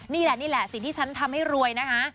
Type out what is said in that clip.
นี่แหละนี่แหละสิ่งที่ฉันทำให้รวยนะคะ